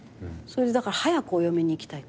だから早くお嫁に行きたいと。